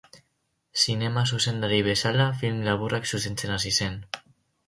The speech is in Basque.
Zinema zuzendari bezala film laburrak zuzentzen hasi zen.